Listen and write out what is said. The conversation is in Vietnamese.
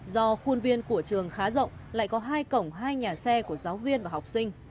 do khuôn viên của trường khá rộng lại có hai cổng hai nhà xe của giáo viên và học sinh